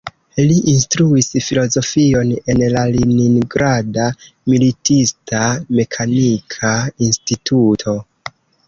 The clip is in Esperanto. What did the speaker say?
Li instruis filozofion en la Leningrada Militista Mekanika Instituto.